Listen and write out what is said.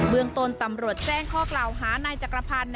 เมืองต้นตำรวจแจ้งข้อกล่าวหานายจักรพันธ์